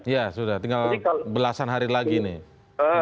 ya sudah tinggal belasan hari lagi nih